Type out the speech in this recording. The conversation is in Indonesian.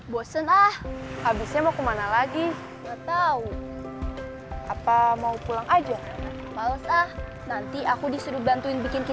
bos nah habisnya mau kemana lagi enggak tahu apa mau pulang aja nanti aku disuruh bantuin bikin ke